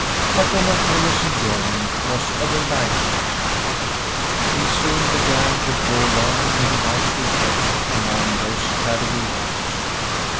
But Donatello's enjoyment was of a livelier kind. He soon began to draw long and delightful breaths among those shadowy walks.